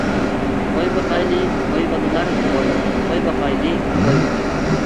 قوي باقايلى ھوي بالىلار ھوي، قوي باقايلى قوي.